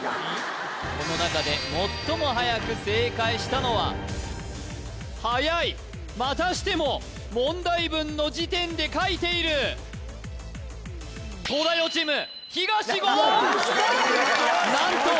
この中で最も早く正解したのは早いまたしても問題文の時点で書いている東大王チーム東言！